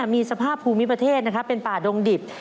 มีสภาพภูมิประเทศเป็นป่าดงดิบ